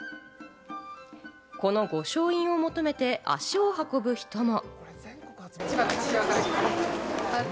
この御翔印を求めて足を運ぶ人も。